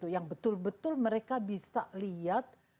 yang betul betul mereka bisa lihat